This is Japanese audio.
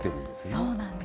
そうなんです。